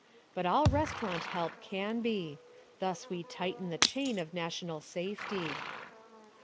But all restaurant help can be; thus we tighten the chain of national safety.